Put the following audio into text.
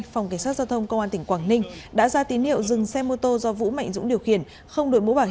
phòng cảnh sát giao thông công an tỉnh quảng ninh đã ra tín hiệu dừng xe mô tô do vũ mạnh dũng điều khiển